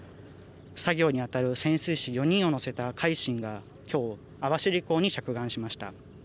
作業にあたる潜水士４人を乗せた海進がきょう網走港に着岸しました。